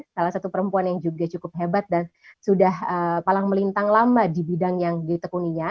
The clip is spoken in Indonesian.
salah satu perempuan yang juga cukup hebat dan sudah palang melintang lama di bidang yang ditekuninya